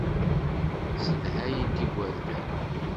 Ssedhayent igerdan.